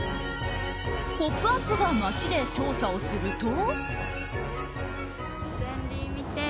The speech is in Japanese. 「ポップＵＰ！」が街で調査をすると。